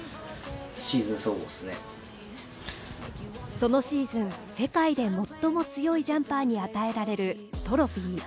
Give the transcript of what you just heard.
そのシーズン、世界で最も強いジャンパーに与えられるトロフィー。